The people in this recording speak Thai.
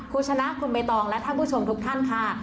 คุณชนะคุณใบตองและท่านผู้ชมทุกท่านค่ะ